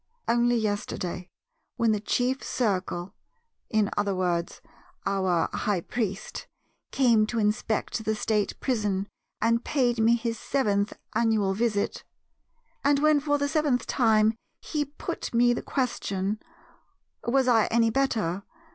Only yesterday, when the Chief Circle (in other words our High Priest) came to inspect the State Prison and paid me his seventh annual visit, and when for the seventh time he put me the question, 'Was I any better?